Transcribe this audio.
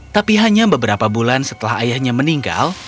tapi hanya beberapa bulan setelah ayahnya meninggal